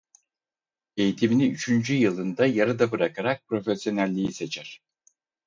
Eğitimini üçüncü yılında yarıda bırakarak profesyonelliği seçer.